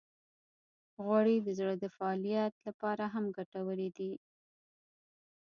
غوړې د زړه د فعالیت لپاره هم ګټورې دي.